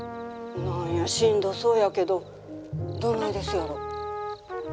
何やしんどそうやけどどないですやろ？